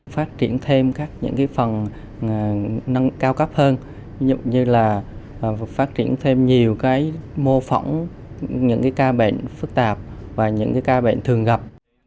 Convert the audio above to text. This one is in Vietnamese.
phát triển thêm các phần cao cấp hơn như là phát triển thêm nhiều mô phỏng những ca bệnh phức tạp và những ca bệnh thường gặp